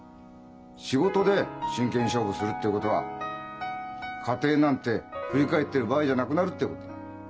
仕事で真剣勝負するってことは家庭なんて振り返ってる場合じゃなくなるってことだ。